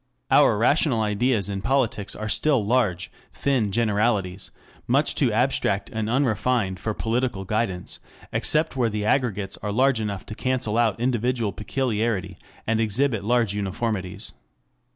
Our rational ideas in politics are still large, thin generalities, much too abstract and unrefined for practical guidance, except where the aggregates are large enough to cancel out individual peculiarity and exhibit large uniformities.